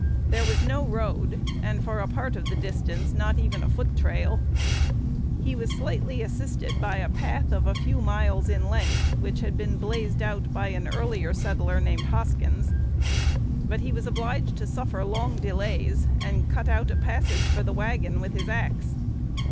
There was no road, and for a part of the distance not even a foot trail. He was slightly assisted by a path of a few miles in length, which had been "blazed out" by an earlier settler named Hoskins. But he was obliged to suffer long delays, and cut out a passage for the wagon with his axe.